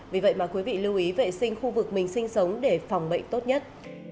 vì vậy mà quý vị lưu ý vệ sinh khu vực mình sinh sống để phòng bệnh tốt nhất